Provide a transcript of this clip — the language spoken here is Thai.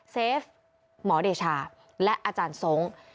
เฟฟหมอเดชาและอาจารย์ทรง